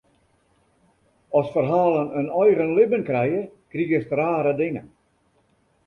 As ferhalen in eigen libben krije, krigest rare dingen.